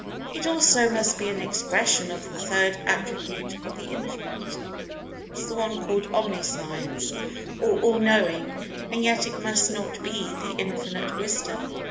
It also must be an expression of the third attribute of The Infinite—the one called Omniscience, or All Knowing—and yet it must not be The Infinite Wisdom.